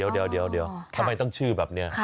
เดี๋ยวทำไมต้องชื่อแบบนี้